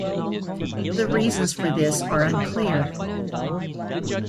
The reasons for this are unclear.